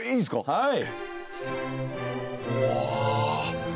はい。